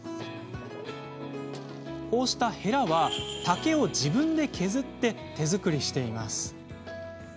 こうした、へらは竹を自分で削って手作りしています。